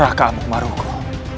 raka amuk marugul